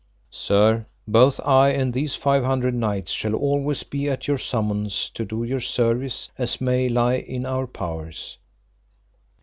Sir, both I and these five hundred knights shall always be at your summons to do you service as may lie in our powers.